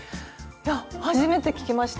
いや初めて聞きました！